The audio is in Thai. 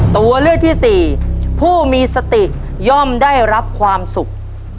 ตัวเลือกที่สี่ผู้มีสติย่อมได้รับความสุข